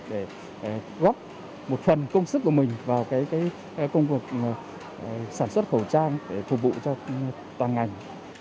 để góp một phần công sức của mình vào công cuộc sản xuất khẩu trang để phục vụ cho toàn ngành